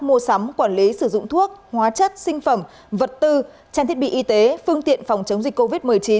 mua sắm quản lý sử dụng thuốc hóa chất sinh phẩm vật tư trang thiết bị y tế phương tiện phòng chống dịch covid một mươi chín